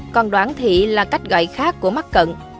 còn đoạn thiệp là cách gọi khác của mắc cận